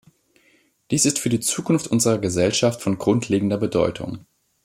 Dies ist für die Zukunft unserer Gesellschaft von grundlegender Bedeutung.